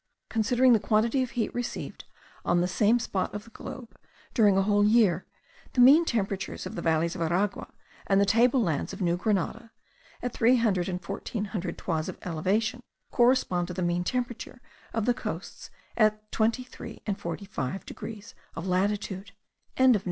Considering the quantity of heat received on the same spot of the globe during a whole year, the mean temperatures of the valleys of Aragua, and the table lands of New Grenada, at 300 and 1400 toises of elevation, correspond to the mean temperatures of the coasts at 23 and 45 degrees of latitude.)